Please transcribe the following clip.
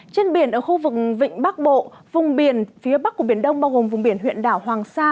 trong khu vực nam bộ vùng biển phía bắc của biển đông bao gồm vùng biển huyện đảo hoàng sa